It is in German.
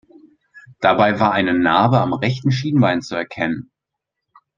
Dabei war eine Narbe am rechten Schienbein zu erkennen.